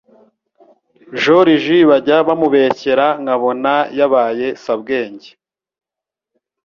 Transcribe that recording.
Joriji bajya bamubeshyera nkabona yabaye sabwenge